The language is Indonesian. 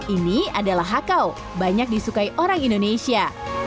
ini adalah hakau banyak disukai orang indonesia